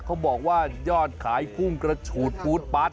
เขาบอกว่ายอดขายภูมิกระฉูดฟู๊ดป๊าส